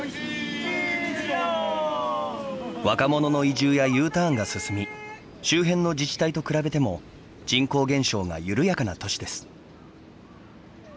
若者の移住やＵターンが進み周辺の自治体と比べても人口減少が緩やかな都市です。